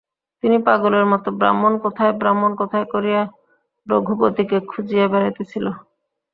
তিনি পাগলের মতো ব্রাহ্মণ কোথায় ব্রাহ্মণ কোথায় করিয়া রঘুপতিকে খুঁজিয়া বেড়াইতেছেন।